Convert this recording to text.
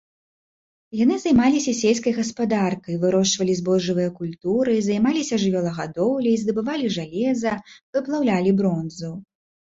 Яны займаліся сельскай гаспадаркай, вырошчвалі збожжавыя культуры, займаліся жывёлагадоўляй, здабывалі жалеза, выплаўлялі бронзу.